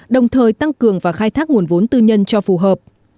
đồng thời tăng cường và khai thác nguồn vốn tư nhân cho phù hợp